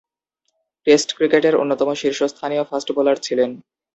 Test ক্রিকেটের অন্যতম শীর্ষস্থানীয় ফাস্ট বোলার ছিলেন।